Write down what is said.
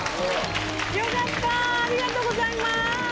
よかったありがとうございます！